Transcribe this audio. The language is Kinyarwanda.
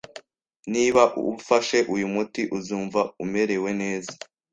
Niba ufashe uyu muti, uzumva umerewe neza